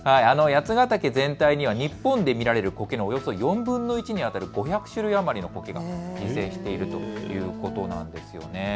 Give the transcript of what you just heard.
八ヶ岳全体には日本で見られるこけのおよそ４分の１にあたる５００種類余りのこけが自生しているということです。